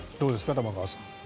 玉川さん。